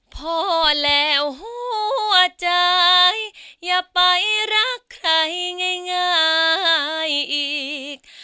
พอแล้วหัวใจอย่าไปรักใครง่ายอีก